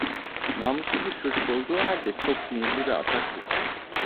Namuslu bir çocuk olduğu halde çok sinirli ve ataktı.